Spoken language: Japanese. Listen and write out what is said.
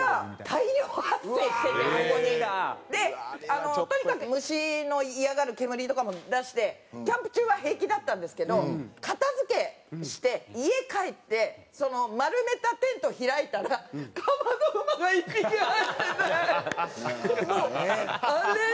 でとにかく虫の嫌がる煙とかも出してキャンプ中は平気だったんですけど片付けして家帰って丸めたテント開いたらカマドウマが１匹入っててもうあれで。